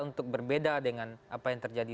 untuk berbeda dengan apa yang terjadi